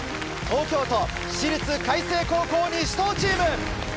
東京都私立開成高校西頭チーム。